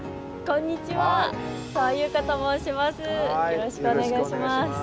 よろしくお願いします。